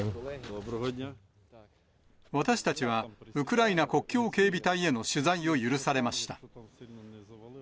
私たちは、ウクライナ国境警備隊への取材を許されました。